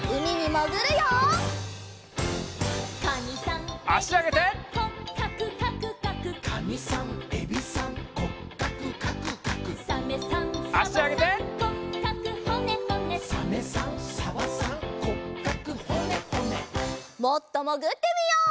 もっともぐってみよう！